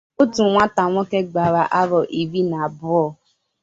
Otu nwata nwoke gbara ahọ iri na abụọ